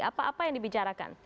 apa apa yang dibicarakan